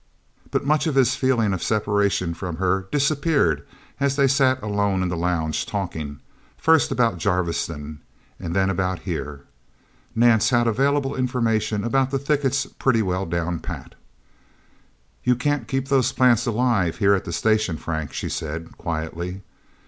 But much of his feeling of separation from her disappeared as they sat alone in the lounge, talking first about Jarviston, then about here. Nance had available information about the thickets pretty well down pat. "You can't keep those plants alive here at the Station, Frank," she said quietly.